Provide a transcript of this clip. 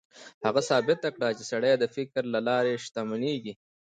هغه ثابته کړه چې سړی د فکر له لارې شتمنېږي.